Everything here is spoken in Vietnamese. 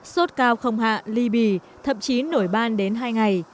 sốt cao không hạ ly bì thậm chí nổi ban đến hai ngày